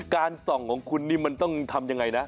ส่องของคุณนี่มันต้องทำยังไงนะ